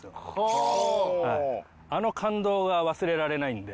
あの感動が忘れられないんで。